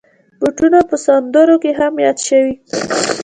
بوټونه په سندرو کې هم یاد شوي.